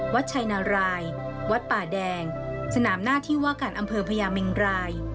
วัดชัยนารายวัดป่าแดงสนามหน้าที่ว่าการอำเภอพญาเมงราย